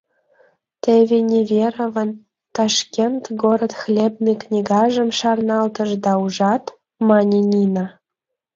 — Те Неверовын «Ташкент — город хлебный» книгажым шарналтышда, ужат, — мане Нина.